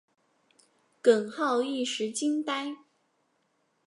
耿浩一时惊呆。